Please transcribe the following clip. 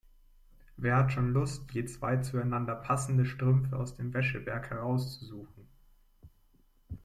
Wer hat schon Lust, je zwei zueinander passende Strümpfe aus dem Wäscheberg herauszusuchen?